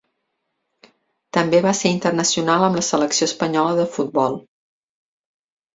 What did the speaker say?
També va ser internacional amb la selecció espanyola de futbol.